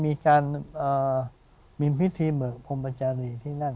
มีความเชื่อว่ามีพิธีเบิกพรหมจารีที่นั่ง